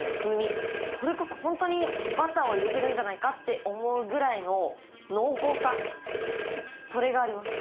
それこそ本当にバターを入れてるんじゃないかって思うぐらいの濃厚さそれがあります。